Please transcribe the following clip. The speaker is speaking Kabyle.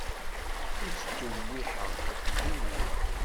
Ur ttdewwiḥeɣ yiwen.